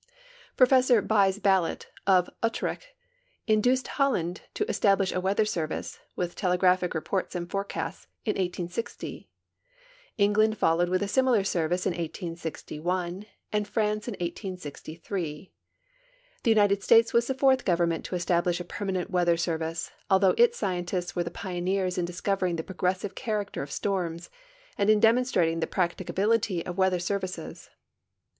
Professor Buys Rallot, of Utrecht, induced Holland to estab lish a weather service, with telegraphic rei)orts and forecasts, in 1860; England followed with a similar service in 18G1, and France in 1863. The United States was the fourth government to establish a permanent weather service, although its scientists were the pioneers in discovering the })rogressive character of storms and in demonstrating the practicability of weather serv ices.